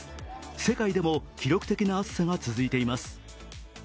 世界でも記録的な暑さが続いています。